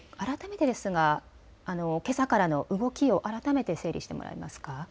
けさからの動きを改めて整理してもらえますか。